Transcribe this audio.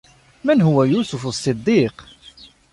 من هو يوسف الصديق؟